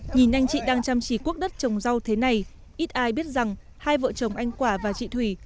nhìn anh chị đang chăm chỉ quốc đất trồng rau thế này ít ai biết rằng hai vợ chồng anh quả và chị thủy